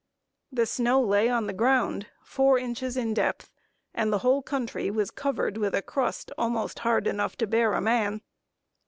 The snow lay on the ground four inches in depth, and the whole country was covered with a crust almost hard enough to bear a man.